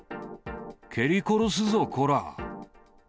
蹴り殺すぞ、こら。